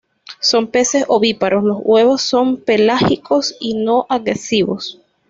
Son peces ovíparos, los huevos son pelágicos y no adhesivos.